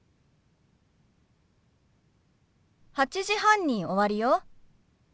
８時半に終わるよ。